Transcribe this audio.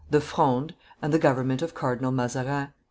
THE FRONDE, AND THE GOVERNMENT OF CARDINAL MAZARIN.